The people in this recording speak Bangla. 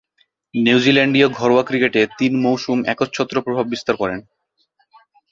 নিউজিল্যান্ডীয় ঘরোয়া ক্রিকেটে তিন মৌসুম একচ্ছত্র প্রভাব বিস্তার করেন।